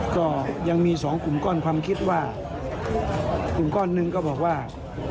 ก็ยังมีสองกลุ่มก้อนความคิดว่ากลุ่มก้อนหนึ่งก็บอกว่า